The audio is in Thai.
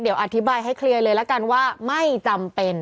เดี๋ยวอธิบายให้เคลียร์เลยละกันว่าไม่จำเป็น